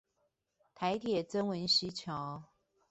臺鐵曾文溪橋